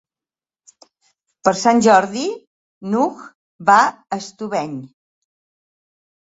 Per Sant Jordi n'Hug va a Estubeny.